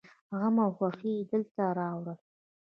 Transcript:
غم او خوښي يې دلته راوړله.